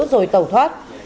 rồi tẩu thoát